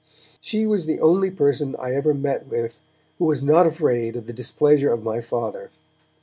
She was the only person I ever met with who was not afraid of the displeasure of my Father.